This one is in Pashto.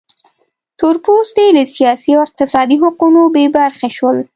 تور پوستي له سیاسي او اقتصادي حقونو بې برخې شول.